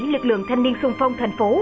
lực lượng thanh niên xung phong thành phố